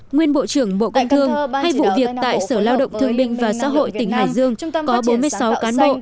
nguyên bộ trưởng bộ công thương hay vụ việc tại sở lao động thương binh và xã hội tỉnh hải dương có bốn mươi sáu cán bộ